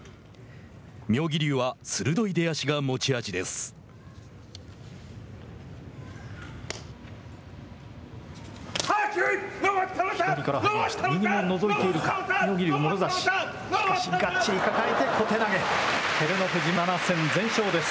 妙義龍は鋭い出足が持ち味です。